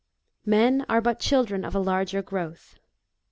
"Men are but children of a larger growth.'